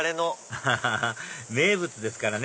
アハハ名物ですからね